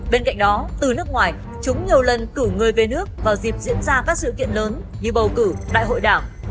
bên cạnh đó từ nước ngoài chúng nhiều lần cử người về nước vào dịp diễn ra các sự kiện lớn như bầu cử đại hội đảng